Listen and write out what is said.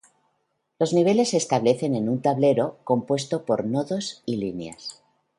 Los niveles se establecen en un tablero compuesto por nodos y líneas.